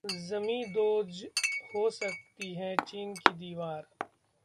जमींदोज हो सकती है चीन की दीवार